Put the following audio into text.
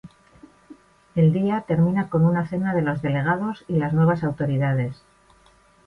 El día termina con una cena de los delegados y las nuevas autoridades.